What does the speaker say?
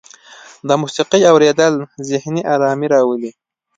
د موسیقۍ اوریدل ذهني ارامۍ راولي.